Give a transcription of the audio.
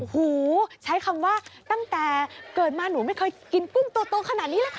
หูใช้คำว่าตั้งแต่เกิดมาหนูไม่เคยกินกุ้งตัวขนาดนี้เลยค่ะ